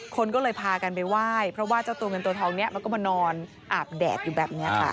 คนก็เลยพากันไปว่ายเพราะเจ้าเงินทัวร์ทองก็มานอนอาบแดดอยู่แบบนี้